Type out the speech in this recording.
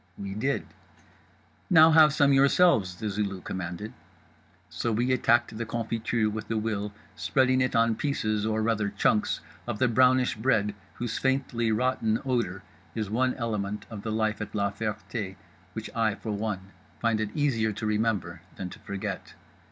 We did. Now have some yourselves, The Zulu commanded. So we attacked the confiture with a will, spreading it on pieces or, rather, chunks of the brownish bread whose faintly rotten odour is one element of the life at La Ferté which I, for one, find it easier to remember than to forget.